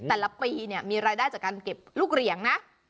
แต่ละปีเนี่ยมีรายได้จากการเก็บลูกเหรียงนะ